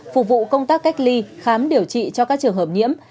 phục vụ công tác cách ly khám điều trị cho các trường hợp nhiễm